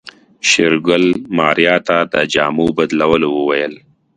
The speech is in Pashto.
شېرګل ماريا ته د جامو بدلولو وويل.